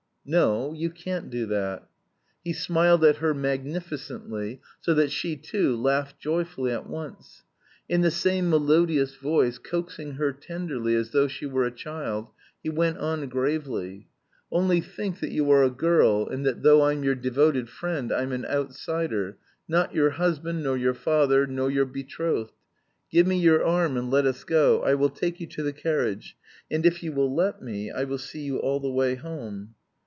"No, you can't do that." He smiled at her magnificently, so that she too laughed joyfully at once. In the same melodious voice, coaxing her tenderly as though she were a child, he went on gravely. "Only think that you are a girl, and that though I'm your devoted friend I'm an outsider, not your husband, nor your father, nor your betrothed. Give me your arm and let us go; I will take you to the carriage, and if you will let me I will see you all the way home."